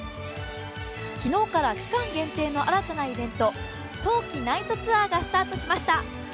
昨日から期間限定の新たなイベント、冬季ナイトツアーがスタートしました。